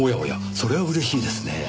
それは嬉しいですねぇ。